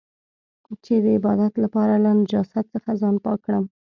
چې د عبادت لپاره له نجاست څخه ځان پاک کړم.